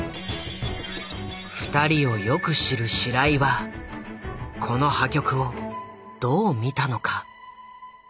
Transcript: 二人をよく知る白井はこの破局をどう見たのか。